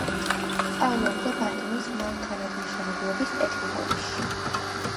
სწავლობდა ბათუმის მანქანათმშენებლობის ტექნიკუმში.